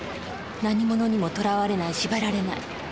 何ものにもとらわれない縛られない。